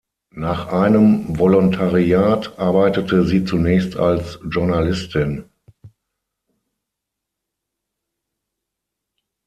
Nach einem Volontariat arbeitete sie zunächst als Journalistin.